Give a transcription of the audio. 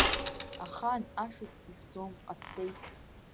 Ахаан ашыӡ ихьӡом, ҟасҵеит.